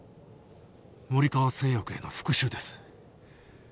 森川製薬への復讐です。